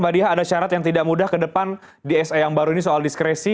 mbak diah ada syarat yang tidak mudah ke depan di se yang baru ini soal diskresi